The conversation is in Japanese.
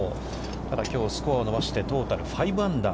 ただ、きょうスコアを伸ばしてトータル５アンダー。